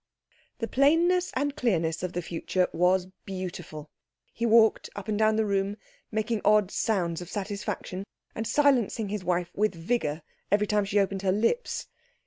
The plainness and clearness of the future was beautiful. He walked up and down the room making odd sounds of satisfaction, and silencing his wife with vigour every time she opened her lips.